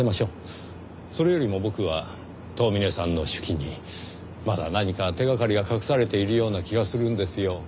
それよりも僕は遠峰さんの手記にまだ何か手がかりが隠されているような気がするんですよ。